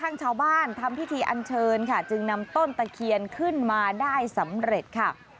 นำต้นตะเคียนขึ้นมาได้สำเร็จค่ะ